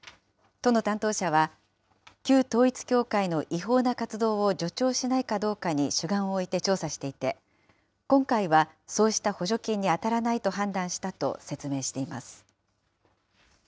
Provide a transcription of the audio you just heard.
都の担当者は、旧統一教会の違法な活動を助長しないかどうかに主眼を置いて調査していて、今回はそうした補助金に当たらないと判断したと説明しています。